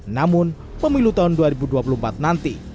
namun pemilu tahun dua ribu dua puluh empat nanti